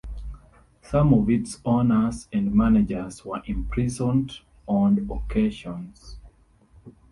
Some of its owners and managers were imprisoned on occasions.